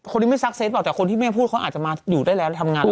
คนที่ไม่สักเซนส์แต่คนที่เม่กูพูดพวกเขาอาจจะมาอยู่ได้แล้วและทำงานเลย